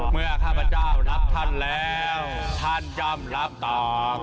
เมื่อข้าพระเจ้ารับท่านแล้วท่านจำรับตอบ